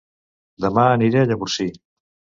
Dema aniré a Llavorsí